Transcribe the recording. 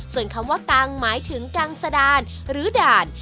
ส่วนคำว่ากางหมายถึงกลางสดานหรือด่าน